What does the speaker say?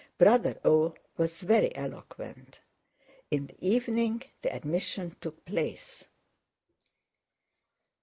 Brother O. was very eloquent. In the evening the admission took place.